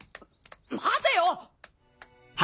待てよ！